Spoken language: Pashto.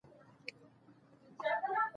افغانستان کې ځمکه د چاپېریال د تغیر نښه ده.